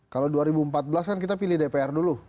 kalau dua ribu empat belas kan kita pilih dpr dulu